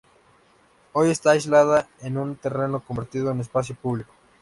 Hoy está aislada en un terreno, convertido en espacio público.